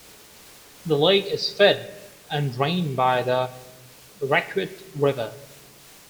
The lake is fed and drained by the Raquette River.